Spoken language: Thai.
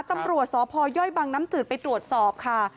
ตำรวจสพย่อยบังน้ำจืดไปตรวจสอบค่ะ